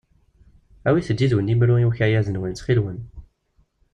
Awit-d yid-wen imru i ukayad-nwen, ttxil-wen.